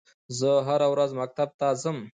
زه هره ورځ مکتب ته ځم